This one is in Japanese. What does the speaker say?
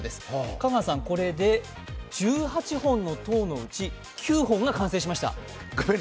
香川さん、これで１８本の塔のうち９本が完成しました。